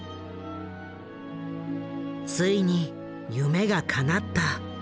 ついに夢がかなった。